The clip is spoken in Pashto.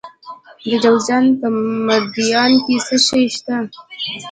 د جوزجان په مردیان کې څه شی شته؟